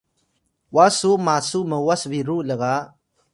wa su masu m’was biru lga